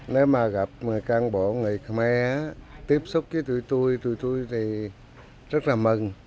nếu mà gặp người cán bộ người khmer tiếp xúc với tụi tui tụi tui thì rất là mừng